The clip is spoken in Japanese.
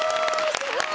すごい！